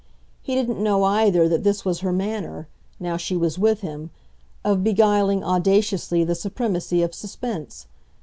He didn't know, either, that this was her manner now she was with him of beguiling audaciously the supremacy of suspense.